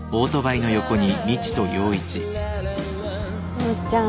陽ちゃん